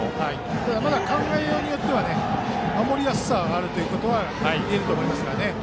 まだ考えようによっては守りやすさがあるということはいえると思います。